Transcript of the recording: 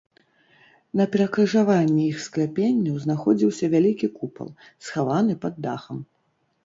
На перакрыжаванні іх скляпенняў знаходзіўся вялікі купал, схаваны пад дахам.